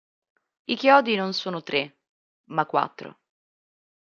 I chiodi non sono tre ma quattro.